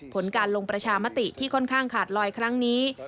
ผลการลงประชามติที่ค่อนข้างขาดลอยครั้งนี้